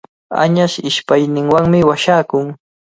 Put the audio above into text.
Añas ishpayninwanmi washakun.